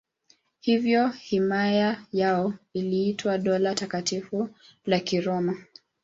Hivyo himaya yao iliitwa Dola Takatifu la Kiroma.